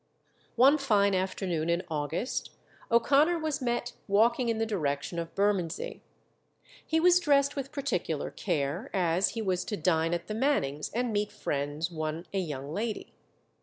One fine afternoon in August, O'Connor was met walking in the direction of Bermondsey. He was dressed with particular care, as he was to dine at the Mannings and meet friends, one a young lady.